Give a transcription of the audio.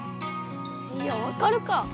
いやわかるかぁ！